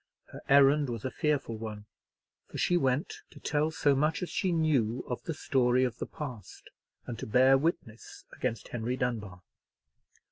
Her errand was a fearful one, for she went to tell so much as she knew of the story of the past, and to bear witness against Henry Dunbar.